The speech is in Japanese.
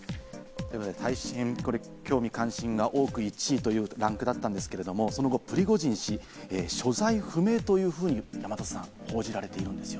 これ興味・関心が多く１位ということだったんですが、その後、プリゴジン氏は所在不明というふうに報じられているそうです。